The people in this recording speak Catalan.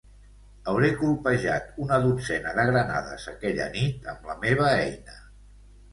Hauré colpejat una dotzena de granades aquella nit amb la meva eina.